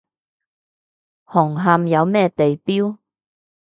紅磡有咩地標？